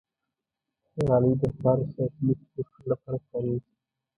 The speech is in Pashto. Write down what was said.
غالۍ د فرش یا ځمکې پوښلو لپاره کارېږي.